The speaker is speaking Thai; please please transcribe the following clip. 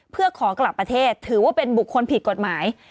เพื่อขอกลับประเทศถือว่าเป็นบุคคลผิดกฎหมาย